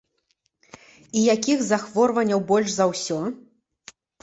І якіх захворванняў больш за ўсё?